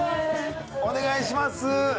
お願いします。